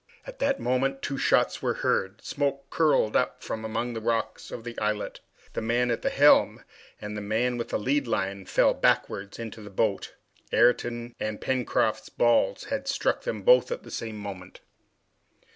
At that moment two shots were heard. Smoke curled up from among the rocks of the islet. The man at the helm and the man with the lead line fell backwards into the boat. Ayrton's and Pencroft's balls had struck them both at the same moment.